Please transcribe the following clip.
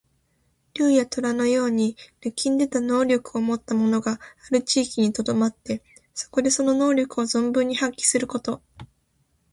竜や、とらのように抜きんでた能力をもった者がある地域にとどまって、そこでその能力を存分に発揮すること。